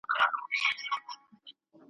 کله کله او حتی اکثر وختونه ,